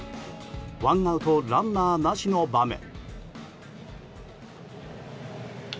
ワンアウトランナーなしの場面。